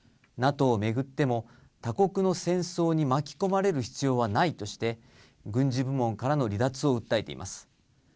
ＮＡＴＯを巡っても、他国の戦争に巻き込まれる必要はないとして、軍事部門からの離脱を訴えています。